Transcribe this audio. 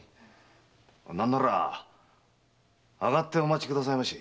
何なら上がってお待ちくださいまし。